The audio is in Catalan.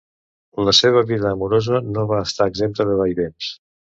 La seva vida amorosa no va estar exempta de vaivens.